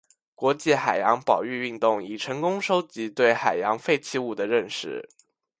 国际海洋保育运动已成功收集对海洋废弃物的认识。